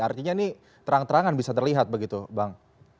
artinya ini terang terangan bisa terlihat begitu bang